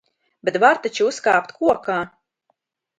Bet var taču uzkāpt kokā!